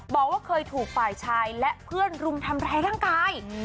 บอกว่าเคยถูกฝ่ายชายและเพื่อนรุมทำร้ายร่างกาย